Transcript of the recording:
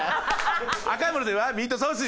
赤いものといえばミートソース！